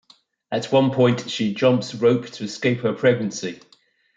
At one point, she jumps rope to escape her pregnancy.